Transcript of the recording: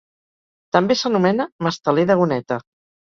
També s'anomena masteler de goneta.